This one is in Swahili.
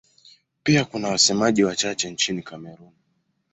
Pia kuna wasemaji wachache nchini Kamerun.